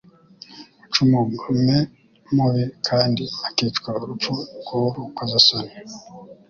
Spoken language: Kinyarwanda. uc'umugome mubi kandi akicwa urupfu rw'urukozasoni.